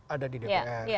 ada di dpr